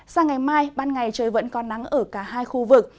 sang ngày mai ban ngày trời vẫn còn nắng ở cả hai khu vực